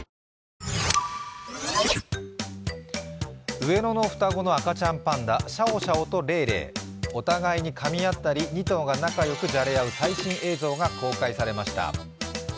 上野の赤ちゃんパンダ、シャオシャオとレイレイお互いにかみ合ったり２頭が仲良くじゃれ合う最新映像が公開されました。